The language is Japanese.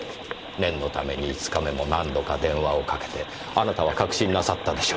念のために５日目も何度か電話をかけてあなたは確信なさったでしょう。